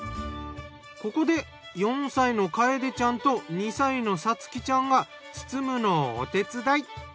ここで４歳の楓ちゃんと２歳の颯季ちゃんが包むのをお手伝い。